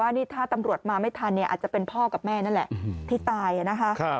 นี่ถ้าตำรวจมาไม่ทันเนี่ยอาจจะเป็นพ่อกับแม่นั่นแหละที่ตายนะคะ